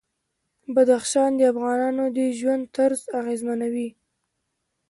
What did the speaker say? بدخشان د افغانانو د ژوند طرز اغېزمنوي.